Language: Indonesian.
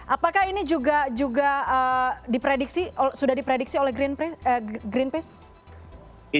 apakah ini juga sudah diprediksi oleh greenpeace